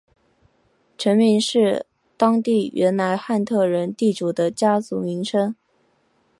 城名是当地原来汉特人地主的家族名称。